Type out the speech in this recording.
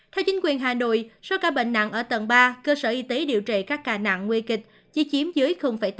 theo chính quyền hà nội số ca bệnh nặng ở tầng ba cơ sở y tế điều trị các ca nặng nguy kịch chỉ chiếm dưới tám